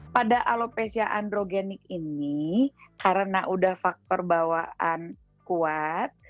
pada alopecia androgenik ini karena udah faktor bawaan kuat